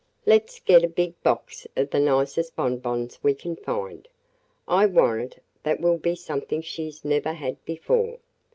Let 's get a big box of the nicest bonbons we can find. I warrant that will be something she 's never had before!"